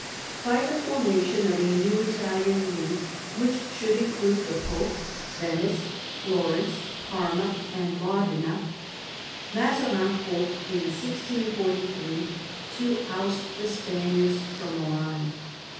By the formation of a new Italian League, which should include the Pope, Venice, Florence, Parma, and Modena, Mazarin hoped in 1643 to oust the Spaniards from Milan.